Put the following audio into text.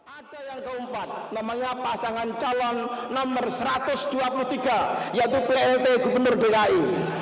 ada yang keempat namanya pasangan calon nomor satu ratus dua puluh tiga yaitu plt gubernur dki